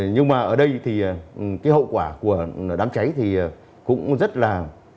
nhưng mà ở đây thì cái hậu quả của đám cháy thì cũng rất là